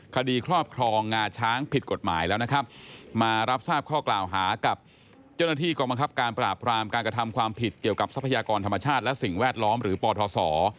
คดีครอบครองงาช้างผิดกฎหมายแล้วนะครับมารับทราบข้อกล่าวหากับเจ้าหน้าที่กองบังคับการปราบรามการกระทำความผิดเกี่ยวกับทรัพยากรธรรมชาติและสิ่งแวดล้อมหรือปทศ